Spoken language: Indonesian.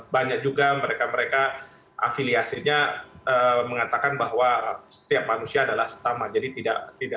banyak juga mereka mereka afiliasinya mengatakan bahwa setiap manusia adalah setama jadi tidak